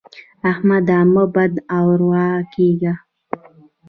احمده مه بد اروا کېږه.